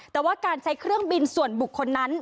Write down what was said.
แต่ว่าการใช้เครื่องบินส่วนบุคคลนั้น